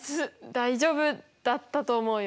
大丈夫だったと思うよ。